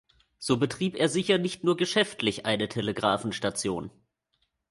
So betrieb er sicher nicht nur geschäftlich eine Telegraphenstation.